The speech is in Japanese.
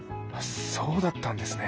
そうだったんですね。